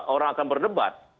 orang akan berdebat